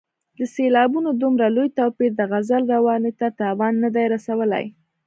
د سېلابونو دومره لوی توپیر د غزل روانۍ ته تاوان نه دی رسولی.